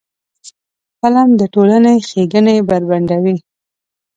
فلم د ټولنې ښېګڼې بربنډوي